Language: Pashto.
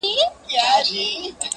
پر لویو غرو د خدای نظر دی!